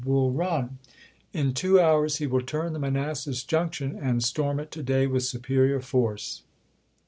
Bull RuH. In two toui's lie will turn the Ma Gen^scott nassas Junction and storm it to day with superior '%'ilf force."